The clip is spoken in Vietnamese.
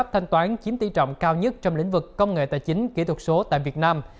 thanh toán chiếm tỷ trọng cao nhất trong lĩnh vực công nghệ tài chính kỹ thuật số tại việt nam